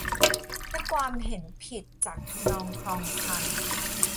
และความเห็นผิดจากทำนองคลองธรรม